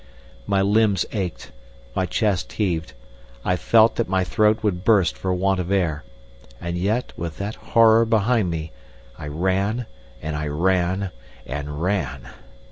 My limbs ached, my chest heaved, I felt that my throat would burst for want of air, and yet with that horror behind me I ran and I ran and ran.